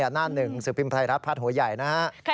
หน้าหนึ่งสิบพิมพ์ไพรัฐภาคโหยัยนะฮะ